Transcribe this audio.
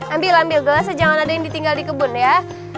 ambil ambil gelasnya jangan ada yang ditinggal di kebun ya